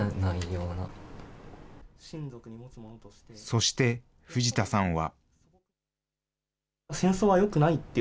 そして、藤田さんは。